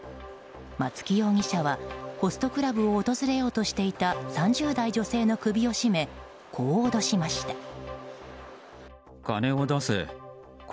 松木容疑者はホストクラブを訪れようとしていた３０代女性の首を絞めこう脅しました。